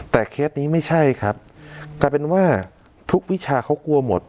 แต่เคสนี้ไม่ใช่ครับกลายเป็นว่าทุกวิชาเขากลัวหมด